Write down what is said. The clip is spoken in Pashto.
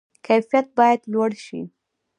کیفیت باید لوړ شي